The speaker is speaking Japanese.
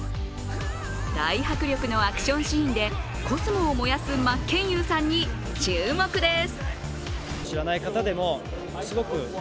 大迫力のアクションシーンで小宇宙を燃やす真剣佑さんに注目です。